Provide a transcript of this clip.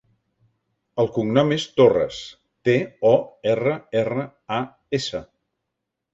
El cognom és Torras: te, o, erra, erra, a, essa.